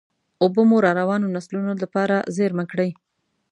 اوبه مو راروانو نسلونو دپاره زېرمه کړئ.